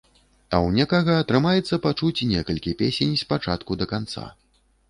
А ў некага атрымаецца пачуць некалі песень з пачатку да канца.